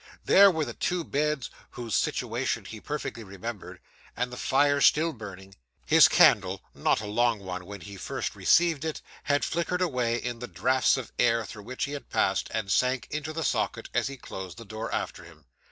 There were the two beds, whose situation he perfectly remembered, and the fire still burning. His candle, not a long one when he first received it, had flickered away in the drafts of air through which he had passed and sank into the socket as he closed the door after him.